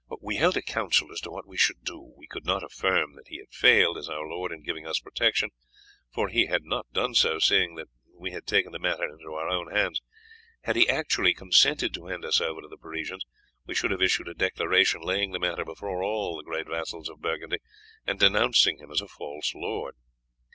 "We held a council as to what we should do. We could not affirm that he had failed, as our lord, in giving us protection, for he had not done so, seeing that we had taken the matter in our own hands. Had he actually consented to hand us over to the Parisians, we should have issued a declaration laying the matter before all the great vassals of Burgundy and denouncing him as a false lord.